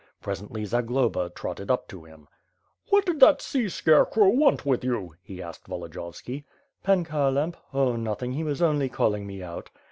Presently, Zagloba trotted up to him. "What did that sea scarecrow want with you?'' he asked Volodiyovski. "Pan Kharlamp? Oh, nothing, he was only calling me out."